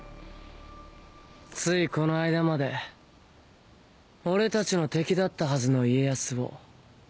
ついこの間まで俺たちの敵だったはずの家康を。